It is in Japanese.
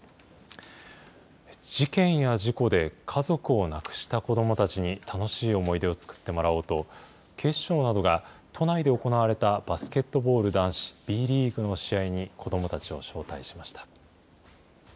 事件や事故で、家族を亡くした子どもたちに楽しい思い出を作ってもらおうと、警視庁などが都内で行われたバスケットボール男子Ｂリーグの試合に子どもたちを招待しました。